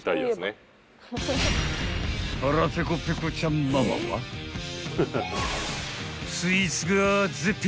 ［腹ぺこペコちゃんママはスイーツが絶品！］